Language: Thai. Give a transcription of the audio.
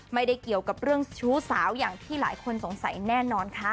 ไม่ได้เกี่ยวกับเรื่องชู้สาวอย่างที่หลายคนสงสัยแน่นอนค่ะ